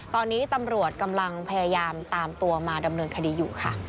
ตอนนี้ตำรวจกำลังพยายามตามตัวมาดำเนินคดีอยู่ค่ะ